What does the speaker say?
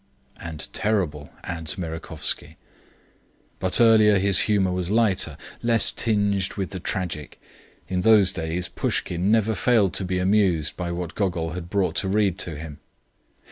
"And terrible," adds Merejkovsky. But earlier his humour was lighter, less tinged with the tragic; in those days Pushkin never failed to be amused by what Gogol had brought to read to him.